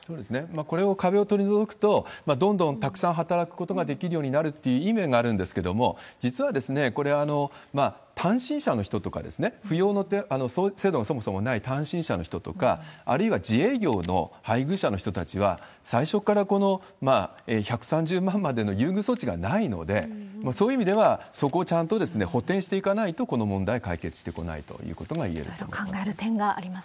これを、壁を取り除くと、どんどんたくさん働くことができるようになるといういい面があるんですけれども、実はこれ、単身者の人とか、扶養の制度がそもそもない単身者の人とか、あるいは自営業の配偶者の人たちは、最初からこの１３０万までの優遇措置がないので、そういう意味では、そこをちゃんと補填していかないと、この問題は解決してこないということがいえると思います。